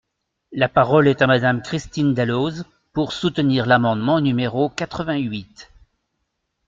La parole est à Madame Marie-Christine Dalloz, pour soutenir l’amendement numéro quatre-vingt-huit.